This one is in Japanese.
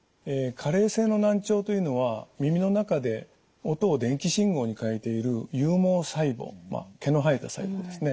加齢性の難聴というのは耳の中で音を電気信号に変えている有毛細胞毛の生えた細胞ですね。